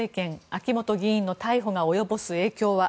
秋本議員の逮捕が及ぼす影響は。